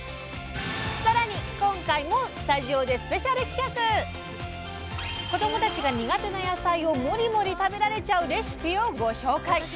さらに今回も子どもたちが苦手な野菜をモリモリ食べられちゃうレシピをご紹介。